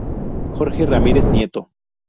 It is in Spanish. Jorge Ramírez Nieto.